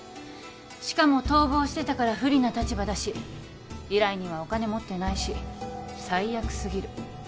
しかも逃亡してたから不利な立場だし依頼人はお金持ってないし最悪過ぎる。